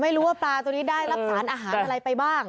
ไม่รู้ว่าปลาตัวนี้ได้รับสารอาหารอะไรไปบ้าง